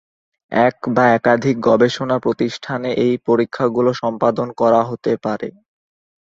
এক বা একাধিক গবেষণা প্রতিষ্ঠানে এই পরীক্ষাগুলি সম্পাদন করা হতে পারে।